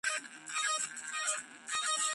რუმინეთი არ პასუხობდა.